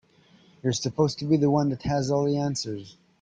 You're supposed to be the one that has all the answers.